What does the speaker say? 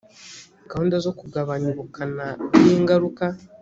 gahunda zo kugabanya ubukana bw ingaruka